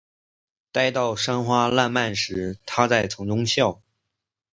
待到山花烂漫时，她在丛中笑。